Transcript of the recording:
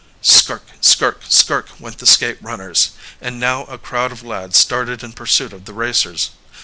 Skirk skirk skirk went the skate runners, and now a crowd of lads started in pursuit of the racers.